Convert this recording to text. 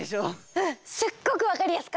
うんすっごくわかりやすかった！